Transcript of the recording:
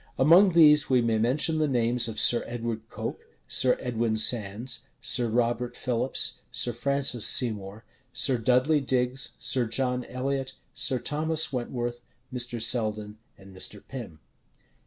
Among these we may mention the names of Sir Edward Coke, Sir Edwin Sandys, Sir Robert Philips, Sir Francis Seymour, Sir Dudley Digges, Sir John Elliot, Sir Thomas Wentworth, Mr. Selden, and Mr. Pym.